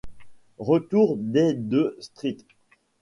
Retour des de St.